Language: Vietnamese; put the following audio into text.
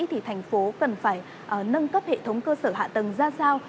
thì thành phố cần phải nâng cấp hệ thống cơ sở hạ tầng ra sao